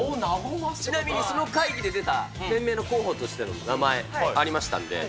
ちなみにその会議で出た店名の候補としての名前ありましたんで。